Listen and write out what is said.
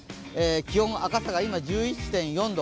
気温、赤坂は今１１．４度。